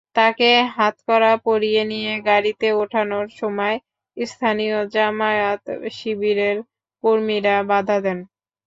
তাঁকে হাতকড়া পড়িয়ে নিয়ে গাড়িতে ওঠানোর সময় স্থানীয় জামায়াত-শিবিরের কর্মীরা বাধা দেন।